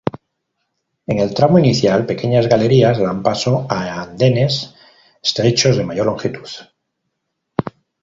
En el tramo inicial, pequeñas galerías dan paso a andenes estrechos de mayor longitud.